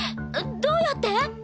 どうやって？